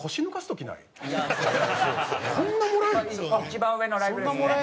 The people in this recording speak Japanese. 一番上のライブですね。